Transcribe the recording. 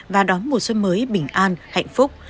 và đón mùa xuân mới bình an hạnh phúc